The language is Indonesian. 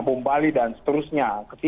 bumbali dan seterusnya